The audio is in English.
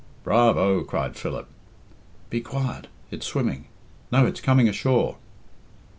"Bravo!" cried Philip. "Be quiet. It's swimming. No, it's coming ashore."